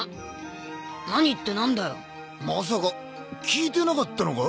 何ってなんだよまさか聞いてなかったのか？